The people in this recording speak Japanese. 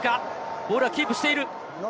ボールはキープしている。